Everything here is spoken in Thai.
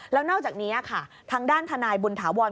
แล้วนอกจากนี้ค่ะทางด้านทนายบุญถาวร